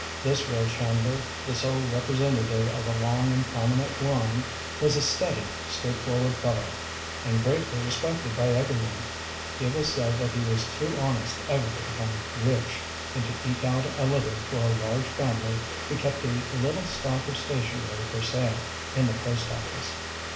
This Will Chandler, the sole representative of a long and prominent line, was a steady, straightforward fellow and greatly respected by everyone. It was said that he was too honest ever to become rich, and to eke out a living for a large family he kept a little stock of stationery for sale in the post office.